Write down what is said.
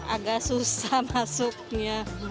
agak susah masuknya